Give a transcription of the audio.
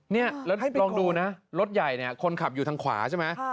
นี่แล้วลองดูนะรถใหญ่เนี่ยคนขับอยู่ทางขวาใช่ไหม